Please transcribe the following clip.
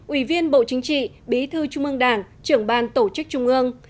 ủy viên bộ chính trị bí thư trung ương đảng trưởng ban tổ chức trung ương